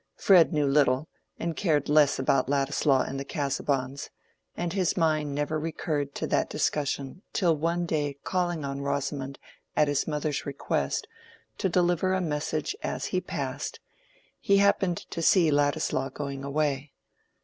Fred knew little and cared less about Ladislaw and the Casaubons, and his mind never recurred to that discussion till one day calling on Rosamond at his mother's request to deliver a message as he passed, he happened to see Ladislaw going away.